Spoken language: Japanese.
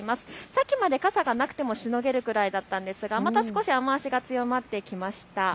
さっきまで傘がなくてもしのげるくらいだったんですけれどもまた雨足が強まってきました。